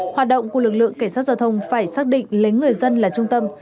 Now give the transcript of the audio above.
hoạt động của lực lượng cảnh sát giao thông phải xác định lấy người dân là trung tâm